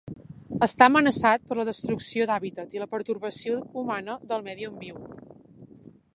Està amenaçat per la destrucció d'hàbitat i la pertorbació humana del medi on viu.